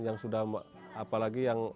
yang sudah apalagi yang